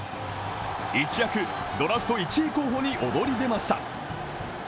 一躍ドラフト１位候補に躍り出ました。